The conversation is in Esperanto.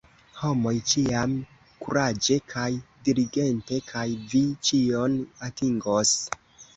Homoj, ĉiam kuraĝe kaj diligente, kaj vi ĉion atingos!